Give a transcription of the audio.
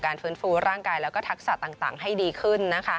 ฟื้นฟูร่างกายแล้วก็ทักษะต่างให้ดีขึ้น